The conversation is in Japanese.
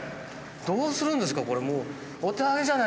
どうするんですかこれ。